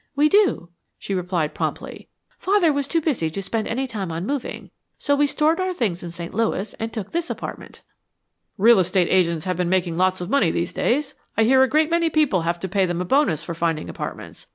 "We do," she replied, promptly. "Father was too busy to spend any time on moving, so we stored our things in St. Louis and took this apartment." "Real estate agents have been making lots of money these days. I hear a great many people have to pay them a bonus for finding apartments.